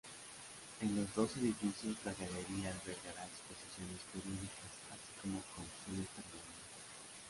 En los dos edificios, la galería albergará exposiciones periódicas, así como colecciones permanentes.